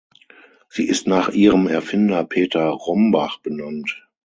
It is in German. Sie ist nach ihrem Erfinder Peter Rombach benannt.